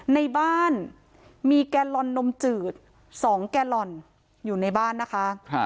ในบ้านมีแกลลอนนมจืด๒แกลลอนอยู่ในบ้านนะคะ